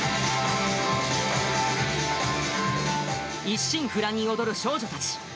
一心不乱に踊る少女たち。